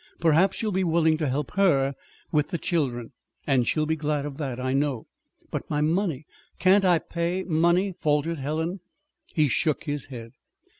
Perhaps you'll be willing to help her with the children and she'll be glad of that, I know." "But my money can't I pay money?" faltered Helen. He shook his head.